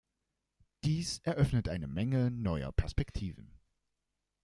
Dies eröffnet eine Menge neuer Perspektiven.